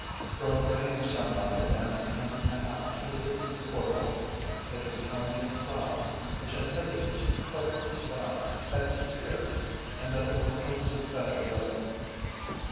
From a ray of sunlight that danced in and out through the port hole, it was plain that clouds, which had hitherto covered the sky, had disappeared, and that there were hopes of better weather.